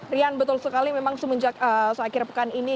rian betul sekali memang semenjak seakir pekan ini